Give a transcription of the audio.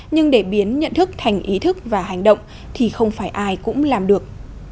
nhưng để biến nhận thức thành ý thức và hành động thì không phải ai cũng làm được